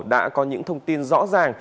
đã có những thông tin rõ ràng